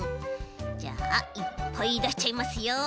じゃあいっぱいだしちゃいますよ。